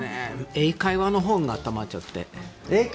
英会話のほうがあったまっちゃって。